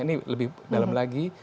ini lebih dalam lagi